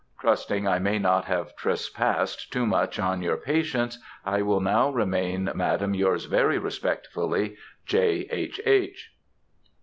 Trusting I may not have trespassed too much on your patience, I will now remain, Madam, yours very respectfully, J. H. H.